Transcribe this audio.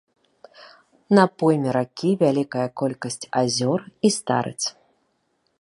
На пойме ракі вялікая колькасць азёр і старыц.